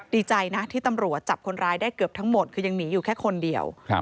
ดีใจนะที่ตำรวจจับคนร้ายได้เกือบทั้งหมดคือยังหนีอยู่แค่คนเดียว